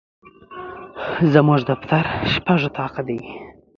زموږ دفتر شپږ اطاقه دي.